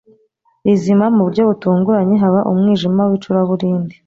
rizima mu buryo butunguranye. Haba umwijima w'icuraburindi,